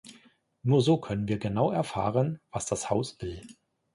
Nur so können wir genau erfahren, was das Haus will.